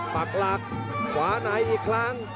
ปักหลักขวาในอีกครั้ง